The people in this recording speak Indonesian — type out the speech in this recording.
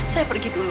saya pergi dulu